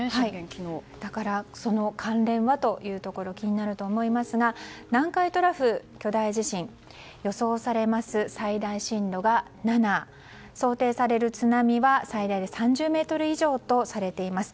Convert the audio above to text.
だから、その関連が気になると思いますが南海トラフ巨大地震予想されます最大震度が７想定される津波は最大で３０ｍ以上とされています。